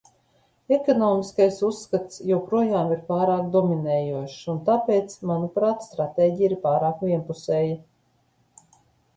Ekonomiskais uzskats joprojām ir pārāk dominējošs un tāpēc, manuprāt, stratēģija ir pārāk vienpusēja.